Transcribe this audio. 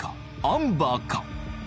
アンバーか？